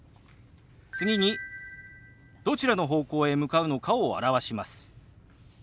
次にどちらの方向へ向かうのかを表します。